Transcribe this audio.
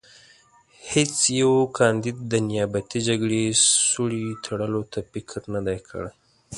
هېڅ یوه کاندید د نیابتي جګړې سوړې تړلو ته فکر نه دی کړی.